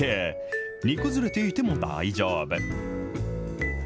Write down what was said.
煮崩れていても大丈夫。